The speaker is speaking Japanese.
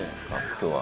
今日は。